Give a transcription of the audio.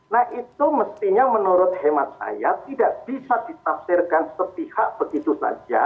nah itu mestinya menurut hemat saya tidak bisa ditafsirkan sepihak begitu saja